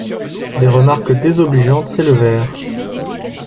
Des remarques désobligeantes s'élevèrent.